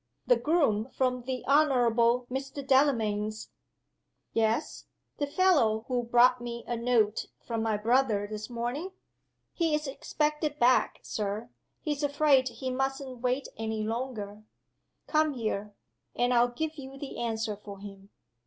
"The groom from the Honorable Mr. Delamayn's " "Yes? The fellow who brought me a note from my brother this morning?" "He's expected back, Sir he's afraid he mustn't wait any longer." "Come here, and I'll give you the answer for him."